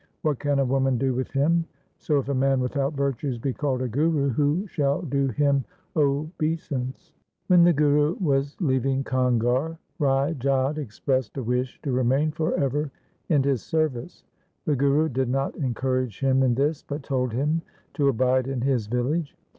What can a woman do with him ? So if a man without virtues be called a guru, who shall do him obeisance ? 1 When the Guru was leaving Kangar, Rai Jodh expressed a wish to remain for ever in his service. The Guru did not encourage him in this, but told him to abide in his village.